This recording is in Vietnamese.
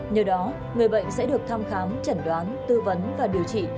nhờ đó người bệnh sẽ được thăm khám chẩn đoán tư vấn và điều trị